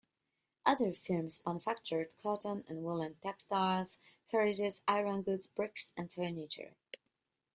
Other firms manufactured cotton and woolen textiles, carriages, iron goods, bricks and furniture.